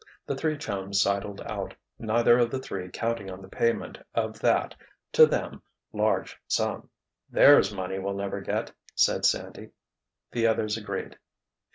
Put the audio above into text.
The three chums sidled out, neither of the three counting on the payment of that, to them, large sum. "There's money we'll never get," said Sandy. The others agreed.